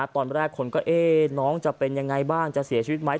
ตอนแรกคนก็น้องจะเป็นยังไงบ้างจะเสียชีวิตไหม